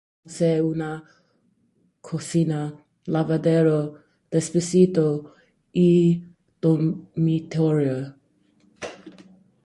La cabaña principal posee una cocina, lavadero, depósito y dormitorio.